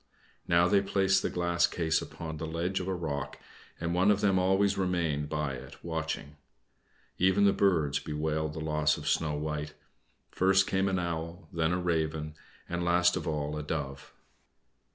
Now they placed the glass case upon the ledge on a rock, and one of them always remained by it watching. Even the birds bewailed the loss of Snow White; first came an owl, then a raven, and last of all a dove.